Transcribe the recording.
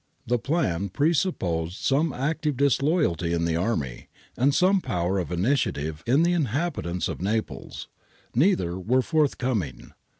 The plan presupposed some active disloyalty in the army, and some power of initiative in the inliabitants of Naples. Neither were forthcoming.